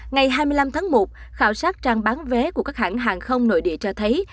ngày hai mươi năm tháng một khảo sát trang bán vé của các hãng hàng không nội địa cho thấy